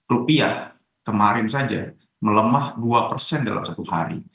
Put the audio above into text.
rupiah kemarin saja melemah dua persen dalam satu hari